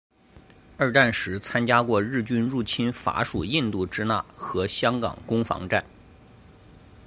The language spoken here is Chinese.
二战时参加过日军入侵法属印度支那和香港攻防战。